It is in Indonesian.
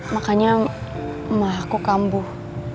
makanya emak aku kambuh